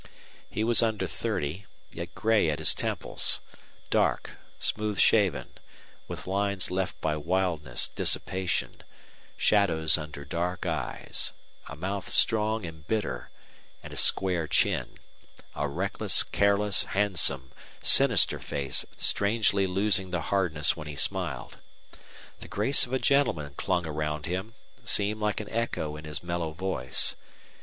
He was under thirty, yet gray at his temples dark, smooth shaven, with lines left by wildness, dissipation, shadows under dark eyes, a mouth strong and bitter, and a square chin a reckless, careless, handsome, sinister face strangely losing the hardness when he smiled. The grace of a gentleman clung round him, seemed like an echo in his mellow voice.